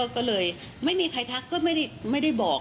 ก็เลยไม่มีใครทักก็ไม่ได้บอก